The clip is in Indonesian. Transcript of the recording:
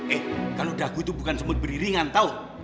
eh kalau dagu itu bukan semut beriringan tau